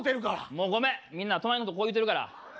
もうごめんみんな隣の人こう言うてるから。